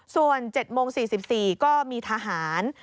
ส่วน๗โมง๔๔ก็มีทหาร